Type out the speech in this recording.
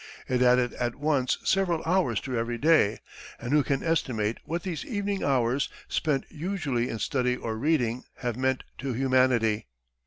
It added at once several hours to every day, and who can estimate what these evening hours, spent usually in study or reading, have meant to humanity?